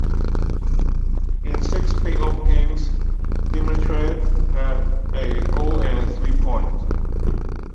In six playoff games, Demitra had a goal and three points.